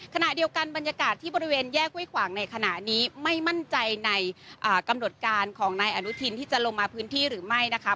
ขณะเดียวกันบรรยากาศที่บริเวณแยกห้วยขวางในขณะนี้ไม่มั่นใจในกำหนดการของนายอนุทินที่จะลงมาพื้นที่หรือไม่นะคะ